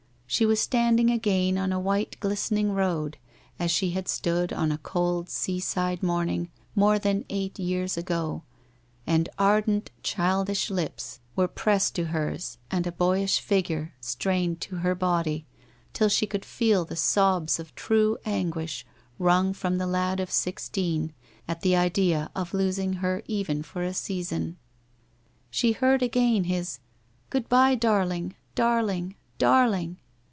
She was standing again on a white glistening road, as she had stood on a cold seaside morning more than eight years ago, and ardent childish lips were pressed to hers and a boyish figure strained to her body, till she could feel the sobs of true anguish wrung from the lad of sixteen at the idea of losing her even for a season. She heard again his ' Good bye, darling — darling — dar ling